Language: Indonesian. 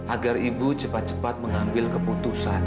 agar ibu cepat cepat mengambil keputusan